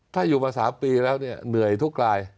ถ้าอยู่มา๓ปีแล้วเนี่ยเหนื่อยทุกราย